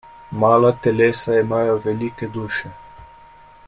Mala telesa imajo velike duše.